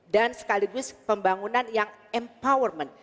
dan sekaligus pembangunan yang empowerment